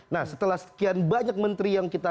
nah setelah sekian banyak menteri yang kita